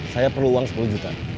saya perlu uang sepuluh juta